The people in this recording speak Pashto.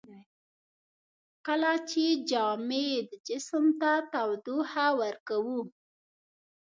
کله چې جامد جسم ته تودوخه ورکوو.